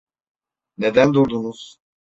Neden durdunuz?